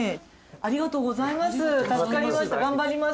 ありがとうございます。